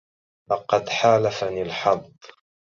لقد حالفني الحظ.